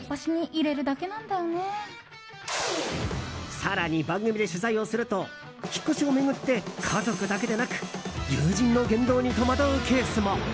更に番組で取材をすると引っ越しを巡って家族だけでなく友人の言動に戸惑うケースも。